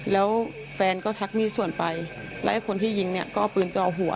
แล้วแฟนก็ชักมีดส่วนไปแล้วไอ้คนที่ยิงเนี่ยก็เอาปืนจ่อหัว